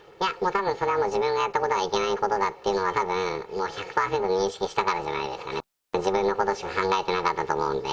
たぶん、それは自分がやったことがいけないことだっていうのが、たぶんもう１００％認識したからじゃないですかね。